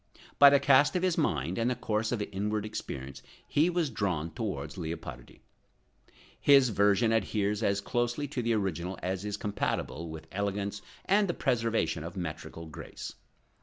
By the cast of his mind and the course of his inward experience he was drawn towards Leopardi. His version adheres as closely to the original as is compatible with elegance and the preservation of metrical grace.